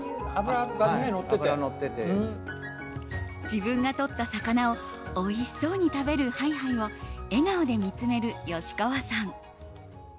自分がとった魚をおいしそうに食べるＨｉ‐Ｈｉを笑顔で見つめる吉川さん。